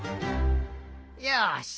よし！